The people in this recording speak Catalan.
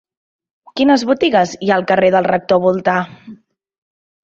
Quines botigues hi ha al carrer del Rector Voltà?